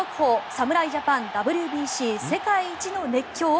侍ジャパンＷＢＣ世界一の熱狂！」を